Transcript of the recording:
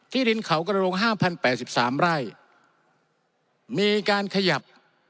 ที่ดินเขากระโดง๕๐๘๓ไร่มีการขยับ